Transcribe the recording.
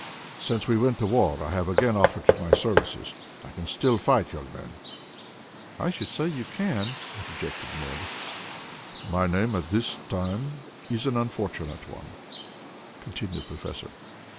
Since we went to war I have again offered my services. I can still fight, young men." "I should say you can," interjected Tad. "My name, at this time, is an unfortunate one," continued the professor.